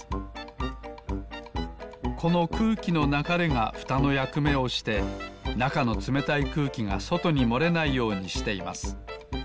このくうきのながれがふたのやくめをしてなかのつめたいくうきがそとにもれないようにしています。